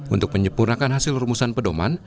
untuk menyempurnakan hasil rumusan pedoman